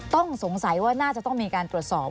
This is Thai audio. ต้องสงสัยว่าน่าจะต้องมีการตรวจสอบ